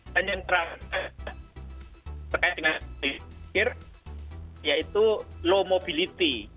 dan yang terakhir yaitu low mobility